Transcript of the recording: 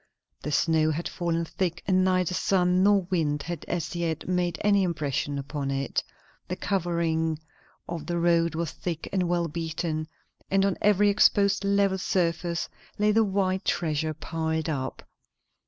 The snow had fallen thick, and neither sun nor wind had as yet made any impression upon it; the covering of the road was thick and well beaten, and on every exposed level surface lay the white treasure piled up.